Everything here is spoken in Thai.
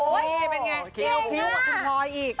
โอ้โหเป็นไงเขียวพิ้วกับคุณพลอยอีก